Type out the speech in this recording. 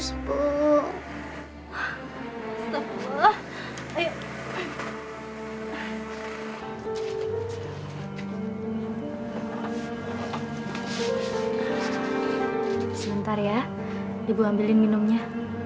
sebentar ya ibu ambilin minumnya